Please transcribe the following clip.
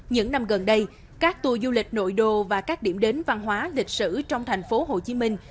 những năm gần đây các tour du lịch nội đô và các điểm đến văn hóa lịch sử trong thành phố hồ chí minh